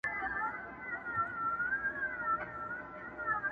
دا مې یاران دي یاران څۀ ته وایي ,